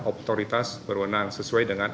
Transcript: otoritas berwenang sesuai dengan